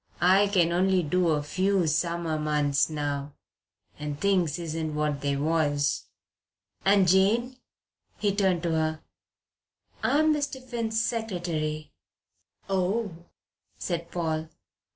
"I can only do a few summer months now and things isn't what they was." "And Jane?" He turned to her. "I'm Mr. Finn's secretary." "Oh," said Paul. Mr.